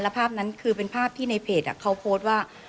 ภาพนั้นคือเป็นภาพที่ในเพจเขาโพสต์ว่า